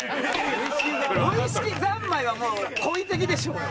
「無意識ざんまい」はもう故意的でしょうよ。